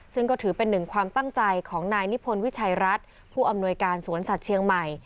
ซึ่งก็ถือเป็นหนึ่งความตั้งใจของนายนิพนธ์วิชัยรัฐผู้อำนวยการสวนสัตว์เชียงใหม่